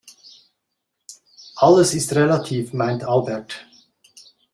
Alles ist relativ, meint Albert.